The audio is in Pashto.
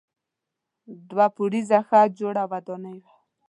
دوه پوړیزه ښه جوړه ودانۍ وه.